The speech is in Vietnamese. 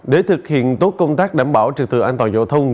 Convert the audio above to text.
để thực hiện tốt công tác đảm bảo trực tự an toàn giao thông